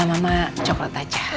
mama coklat aja